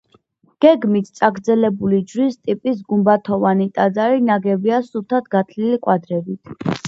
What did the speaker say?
გეგმით წაგრძელებული ჯვრის ტიპის გუმბათოვანი ტაძარი ნაგებია სუფთად გათლილი კვადრებით.